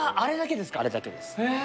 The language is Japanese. あれだけです